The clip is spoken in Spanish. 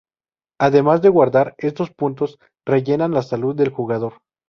Además de guardar, estos puntos rellenan la salud del jugador.